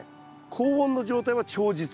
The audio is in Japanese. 高温の状態は長日。